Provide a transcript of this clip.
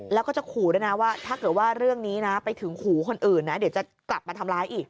แล้วก็จะขู่ด้วยนะว่าถ้าเกิดว่าเรื่องนี้นะไปถึงขู่คนอื่นนะเดี๋ยวจะกลับมาทำร้ายอีก